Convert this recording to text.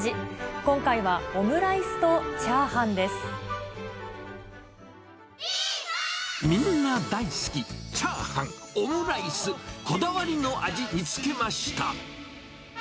今回は、オムライスとチャーハンみんな大好き、チャーハン、オムライス、こだわりの味、見つけました。